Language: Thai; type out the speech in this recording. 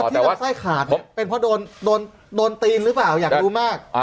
ที่ลำไส้ขาดเป็นเพราะโดนตีนหรือเปล่าอยากรู้มาก